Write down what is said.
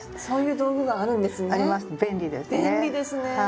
そういう道具があるんですね。